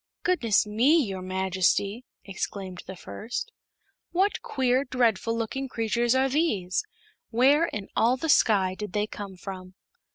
"Goodness me, your Majesty!" exclaimed the first; "what queer, dreadful looking creatures are these? Where in all the Sky did they come from?"